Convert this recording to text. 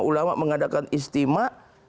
ulama mengadakan istimewa